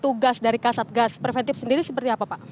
tugas dari kasatgas preventif sendiri seperti apa pak